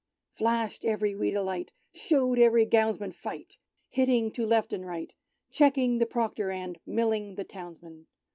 Flashed every weed alight, Showed every gownsman fight. Hitting to left and right. Cheeking the Proctor, and Milling the Townsmen.